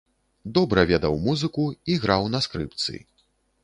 Добра ведаў музыку і граў на скрыпцы.